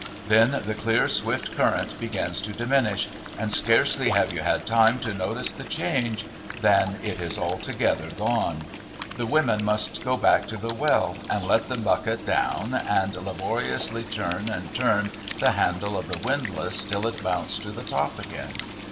Then the clear, swift current begins to diminish, and scarcely have you had time to notice the change than it is altogether gone! The women must go back to the well and let the bucket down, and laboriously turn and turn the handle of the windlass till it mounts to the top again.